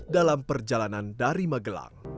dalam perjalanan dari magelang